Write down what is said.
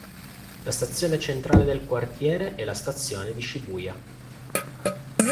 La stazione centrale del quartiere è la stazione di Shibuya.